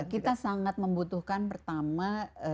kita sangat membutuhkan pertama